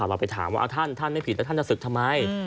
เราไปถามว่าท่านท่านไม่ผิดแล้วท่านจะศึกทำไม